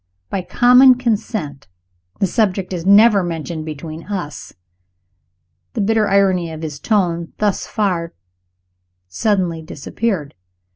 By common consent, the subject is never mentioned between us." The bitter irony of his tone, thus far, suddenly disappeared.